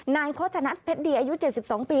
นายเขาจะนัดเพชรเดียอายุ๗๒ปี